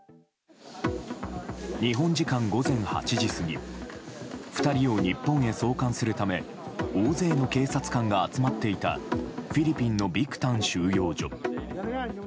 日本時間午前８時過ぎ２人を日本へ送還するため大勢の警察官が集まっていたフィリピンのビクタン収容所。